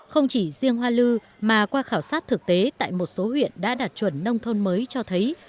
không chỉ riêng hoa lư mà qua khảo sát thực tế tại một số huyện đã đạt chuẩn nông thôn mới cho thấy